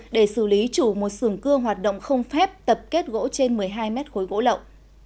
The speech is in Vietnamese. để xử lý chủ một sưởng cưa hoạt động không phép tập kết gỗ trên một mươi hai mét khối gỗ lậu